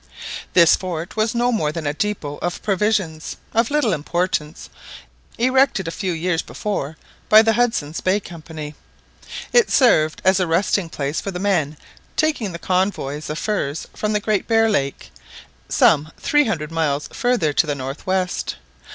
This fort was no more than a depôt of provisions, of little importance, erected a few years before by the Hudson's Bay Company. It served as a resting place for the men taking the convoys of furs from the Great Bear Lake, some three hundred miles further to the north west.